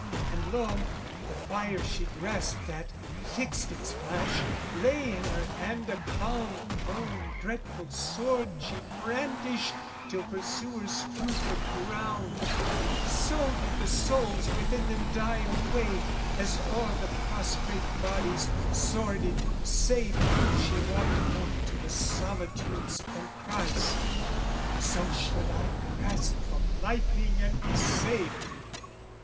And lo, the fire she grasped at, fixed its flash, Lay in her hand a calm cold dreadful sword She brandished till pursuers strewed the ground, So did the souls within them die away, As o'er the prostrate bodies, sworded, safe, She walked forth to the solitudes and Christ: So should I grasp the lightning and be saved!